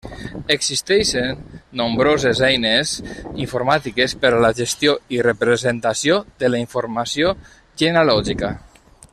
Existeixen nombroses eines informàtiques per a la gestió i representació de la informació genealògica.